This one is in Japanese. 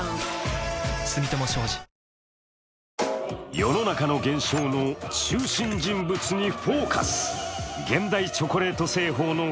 世の中の現象の中心人物に「ＦＯＣＵＳ」。